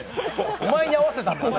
お前に合わせたんだよ。